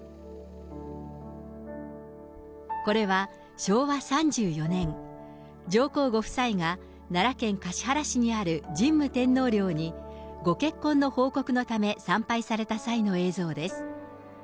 これは昭和３４年、上皇ご夫妻が奈良県橿原市にある神武天皇陵にご結婚の報告のため参拝された際の映像です。